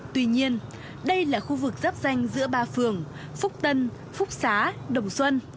tuy nhiên đây là khu vực giáp danh giữa ba phường phúc tân phúc xá đồng xuân